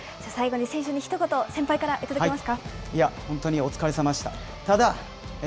最後に選手にひと言、先輩から頂けますか。